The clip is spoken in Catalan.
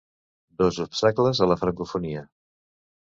Dos obstacles a la francofonia.